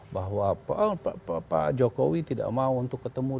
bahwa pak jokowi tidak mau untuk ketemu